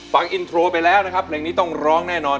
ฟังอินโทรไปแล้วนะครับเพลงนี้ต้องร้องแน่นอน